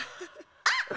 あっ！